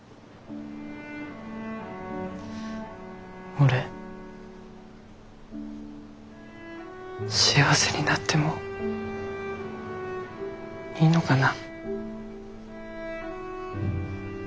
俺幸せになってもいいのかな。